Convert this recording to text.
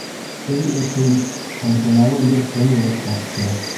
Өй эсен тантаналы бер тынлыҡ баҫты.